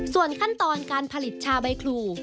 ส่วนขั้นตอนการผลิตชาใบครู